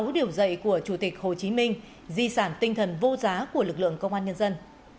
sáu điều dạy của chủ tịch hồ chí minh di sản tinh thần vô giá của lực lượng công an nhân dân